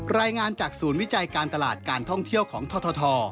รายงานจากศูนย์วิจัยการตลาดการท่องเที่ยวของทท